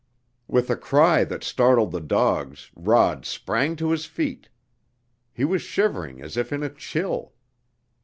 With a cry that startled the dogs Rod sprang to his feet. He was shivering as if in a chill.